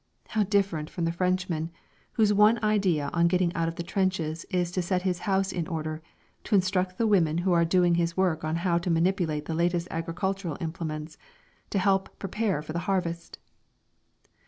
How different from the Frenchman, whose one idea on getting out of the trenches is to set his house in order, to instruct the women who are doing his work how to manipulate the latest agricultural implements, to help prepare for the harvest!